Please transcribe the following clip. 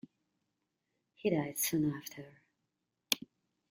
He died soon after.